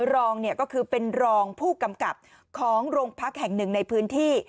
รองก็คือเป็นรองผู้กำกับของโรงพักแห่งหนึ่งในพื้นที่